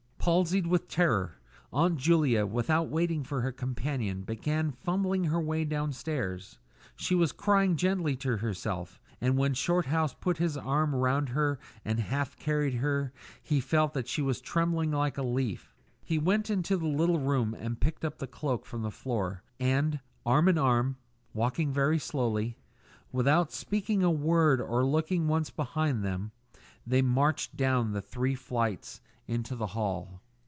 Palsied with terror, Aunt Julia, without waiting for her companion, began fumbling her way downstairs; she was crying gently to herself, and when Shorthouse put his arm round her and half carried her he felt that she was trembling like a leaf. He went into the little room and picked up the cloak from the floor, and, arm in arm, walking very slowly, without speaking a word or looking once behind them, they marched down the three flights into the hall.